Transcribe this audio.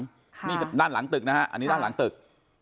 นี่ด้านหลังตึกนะฮะอันนี้ด้านหลังตึก